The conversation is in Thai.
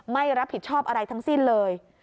ไม่รับผิดชอบอะไรทั้งสิ้นเลย